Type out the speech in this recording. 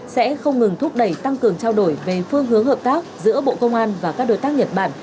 sẽ không ngừng thúc đẩy tăng cường trao đổi về phương hướng hợp tác giữa bộ công an và các đối tác nhật bản